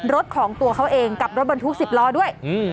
รถของตัวเขาเองกลับรถบนถูกสิบล้อด้วยอืม